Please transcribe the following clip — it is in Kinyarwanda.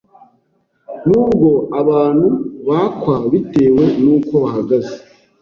n’ubwo abantu bakwa bitewe n’uko bahagaze